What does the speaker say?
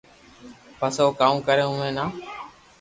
پسي او ڪاوُ ڪري اوي نہ